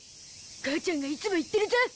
母ちゃんがいつも言ってるゾ。